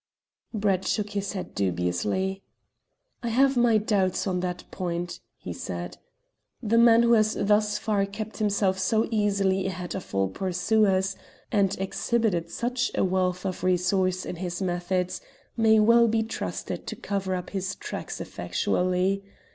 Brett shook his head dubiously. "I have my doubts on that point," he said. "The man who has thus far kept himself so easily ahead of all pursuers, and exhibited such a wealth of resource in his methods, may well be trusted to cover up his tracks effectually.